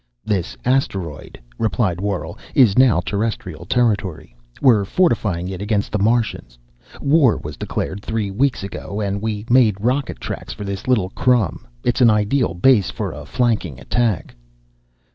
"This asteroid," replied Worrall, "is now Terrestrial territory. We're fortifying it against the Martians. War was declared three weeks ago, and we made rocket tracks for this little crumb. It's an ideal base for a flanking attack."